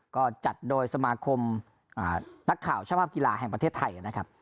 ก็จัดโดยสมาคมนักข่าวสภาพกีฬาแห่งประเทศไทยนะครับ